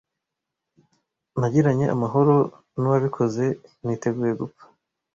Nagiranye amahoro nuwabikoze. Niteguye gupfa.